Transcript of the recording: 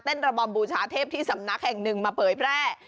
ระบอมบูชาเทพที่สำนักแห่งหนึ่งมาเผยแพร่